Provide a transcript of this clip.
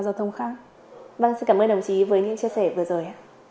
vâng xin cảm ơn đồng chí với những chia sẻ vừa rồi